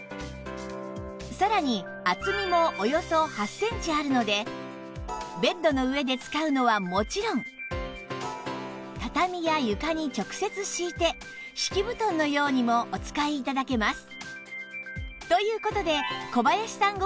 さらに厚みもおよそ８センチあるのでベッドの上で使うのはもちろん畳みや床に直接敷いて敷き布団のようにもお使い頂けます